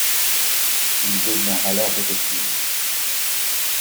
Il devient alors détective.